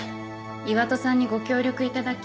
岩戸さんにご協力いただき